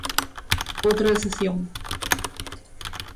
Outra decepción.